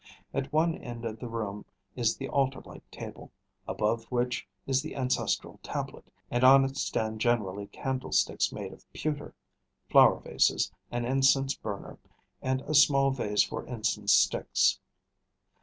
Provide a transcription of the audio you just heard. At one end of the room is the altarlike table, above which is the ancestral tablet, and on it stand generally candlesticks made of pewter, flower vases, an incense burner, and a small vase for incense sticks.